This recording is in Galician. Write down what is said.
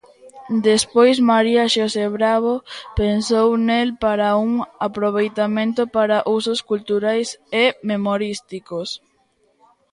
Despois María Xosé Bravo pensou nel para un aproveitamento para usos culturais e memorísticos.